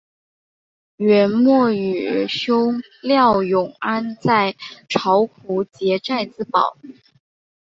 元末与兄廖永安在巢湖结寨自保。